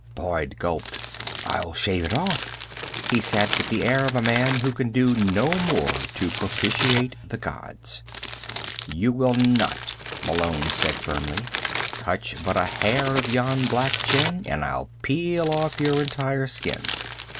Boyd gulped. "I'll shave it off," he said, with the air of a man who can do no more to propitiate the Gods. "You will not," Malone said firmly. "Touch but a hair of yon black chin, and I'll peel off your entire skin."